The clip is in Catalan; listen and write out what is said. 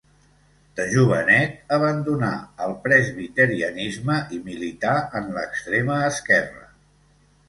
De jovenet abandonà el presbiterianisme i milità en l'extrema esquerra.